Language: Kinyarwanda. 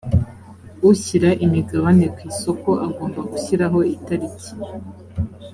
ushyira imigabane ku isoko agomba gushyiraho itariki